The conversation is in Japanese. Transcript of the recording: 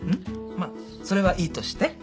まあそれはいいとして。